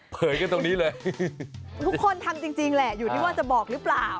เผยกันตรงนี้เลยทุกคนทำจริงแหละอยู่ที่ว่าจะบอกหรือเปล่า